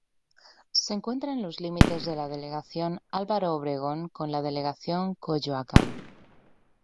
Se encuentra en los límites de la delegación Álvaro Obregón con la delegación Coyoacán.